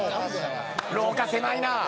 廊下狭いな！